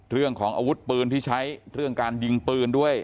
เรื่องของอาวุธปืนที่ใช้เรื่องการยิงปืนด้วย